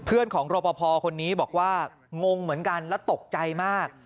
เพื่อนของรอปภคนนี้บอกว่างงเหมือนกันและตกใจมาก